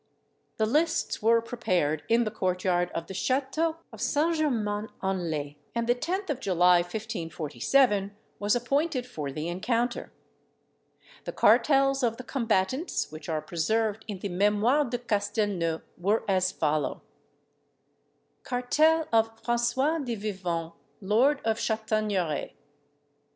The lists were prepared in the court yard of the chateau of St. Germain en Laye, and the 10th of July, 1547, was appointed for the encounter. The cartels of the combatants, which are preserved in the Mémoires de Castelnau, were as follow: "Cartel of François de Vivonne, lord of la Chataigneraie.